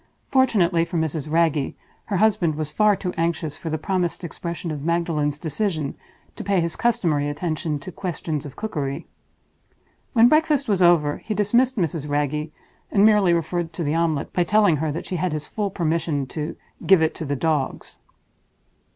Fortunately for Mrs. Wragge, her husband was far too anxious for the promised expression of Magdalen's decision to pay his customary attention to questions of cookery. When breakfast was over, he dismissed Mrs. Wragge, and merely referred to the omelette by telling her that she had his full permission to "give it to the dogs."